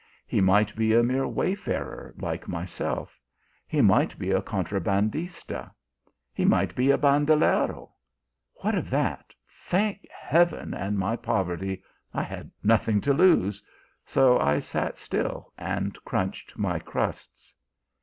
He might be a mere wayfarer like myself ; he might be a contra bandista ; he might be a bandalero ! What of that, thank heaven and my poverty, 1 had nothing to lose, so I sat still and craunched my crusts.